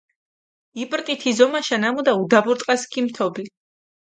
იპრტი თი ზომაშა ნამუდა, უდაბურ ტყას ქიმთობლი.